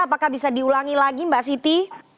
apakah bisa diulangi lagi mbak siti